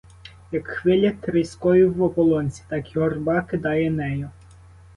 Як хвиля тріскою в ополонці, так юрба кидає нею.